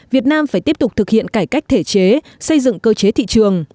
việt nam phải tiếp tục thực hiện cải cách thể chế xây dựng cơ chế thị trường